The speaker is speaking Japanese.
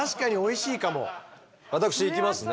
私いきますね。